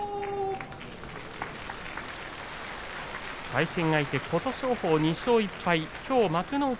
対戦相手琴勝峰２勝１敗、きょう幕内